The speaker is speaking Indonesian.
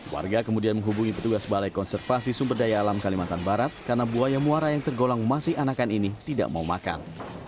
warga kemudian menghubungi petugas balai konservasi sumber daya alam kalimantan barat karena buaya muara yang tergolong masih anakan ini tidak mau makan